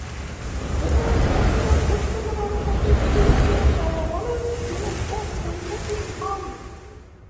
উমার স্বপ্ন সত্য করবার প্রক্রিয়াতে তারা অনেক সমস্যা সম্মুখীন হন।